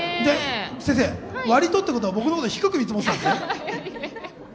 先生、わりとってことは、僕のこと低く見積もってたんですね。